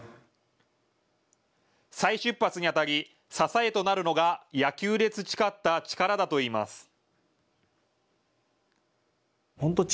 再出発にあたり支えとなるのが野球で培った力だといいます。